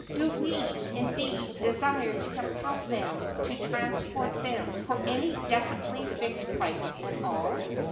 Do we, indeed, desire to compel them to transport them for any definitely fixed price at all?